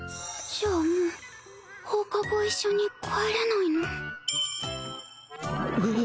じゃあもう放課後一緒に帰れないの？